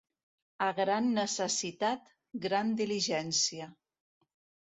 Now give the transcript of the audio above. A gran necessitat, gran diligència.